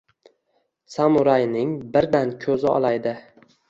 “Samuray”ning birdan ko‘zi olaydi: